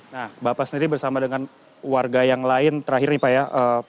nah bapak sendiri bersama dengan warga yang lain terakhir nih pak ya